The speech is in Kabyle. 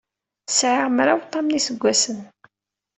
Sɛiɣ mraw tam n yiseggasen.